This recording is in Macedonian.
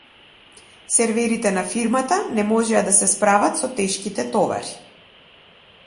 Серверите на фирмата не можеа да се справат со тешките товари.